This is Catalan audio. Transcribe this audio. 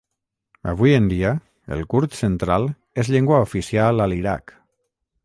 Avui en dia, el kurd central és llengua oficial a l'Iraq.